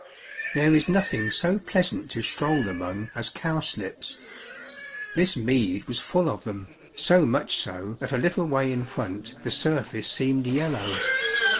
There is nothing so pleasant to stroll among as cowslips. This mead was full of them, so much so that a little way in front the surface seemed yellow.